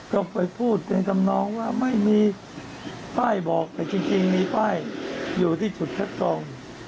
ก็ไปพูดเป็นทำนองว่าไม่มีป้ายบอกแต่จริงมีป้ายอยู่ที่จุดคัดกรอง